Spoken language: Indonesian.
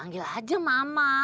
panggil aja mama